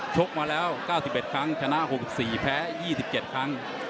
ชกมาแล้ว๙๑ครั้งชนะ๖๔แพ้๒๗ครั้ง